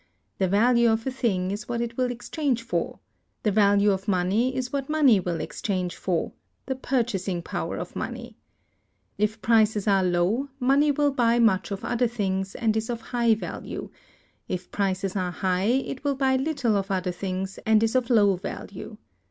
The value of a thing is what it will exchange for; the value of money is what money will exchange for, the purchasing power of money. If prices are low, money will buy much of other things, and is of high value; if prices are high, it will buy little of other things, and is of low value.